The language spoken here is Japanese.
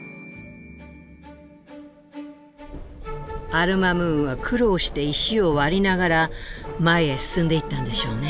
アル・マムーンは苦労して石を割りながら前へ進んでいったんでしょうね。